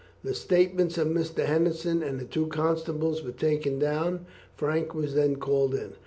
The statements of Mr. Henderson and the two constables were taken down. Frank was then called in.